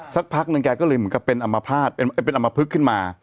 แต่แค่นั้นมึงก็เป็นอัมภาษณ์อัมภึกขึ้นมา